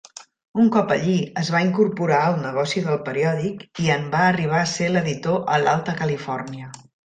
Un cop allí es va incorporar al negoci del periòdic, i en va arribar a ser l'editor a l'Alta Califòrnia.